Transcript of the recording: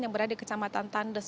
yang berada di kecamatan tandes